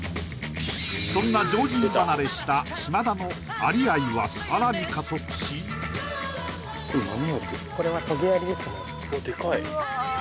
そんな常人離れした島田のアリ愛はさらに加速しうわ